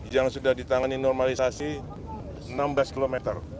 yang sudah ditangani normalisasi enam belas km